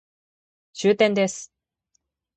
終点です